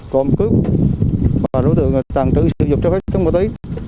cộm cướp và đối tượng tàn trữ sử dụng trái phép chất vô tí